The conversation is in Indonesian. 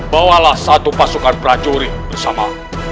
bawalah satu pasukan prajurit bersama